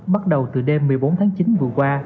bắt đầu từ đêm một mươi bốn tháng chín vừa qua